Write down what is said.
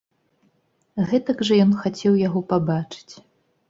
Гэтак жа ён хацеў яго пабачыць!